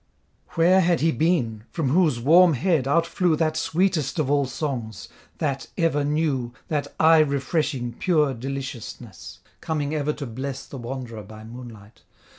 Where had he been, from whose warm head out flew That sweetest of all songs, that ever new, That aye refreshing, pure deliciousness, Coming ever to bless The wanderer by moonlight?